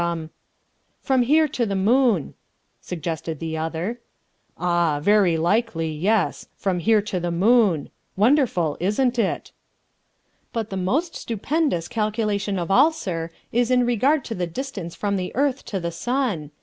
"From here to the moon," suggested the other. "Ah, very likely; yes, from here to the moon. Wonderful, isn't it?" "But the most stupendous calculation of all, sir, is in regard to the distance from the earth to the sun.